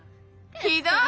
ひどい！